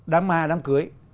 đám ma đám cưới